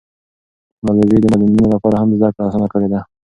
ټیکنالوژي د معلولینو لپاره هم زده کړه اسانه کړې ده.